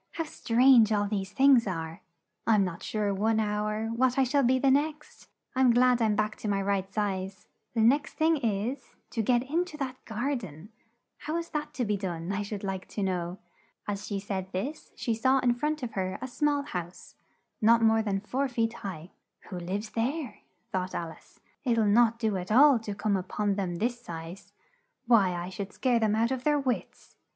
"How strange all these things are! I'm not sure one hour, what I shall be the next! I'm glad I'm back to my right size: the next thing is, to get in to that gar den how is that to be done, I should like to know?" As she said this, she saw in front of her, a small house, not more than four feet high. "Who lives there?" thought Al ice, "it'll not do at all to come up on them this size: why I should scare them out of their wits!"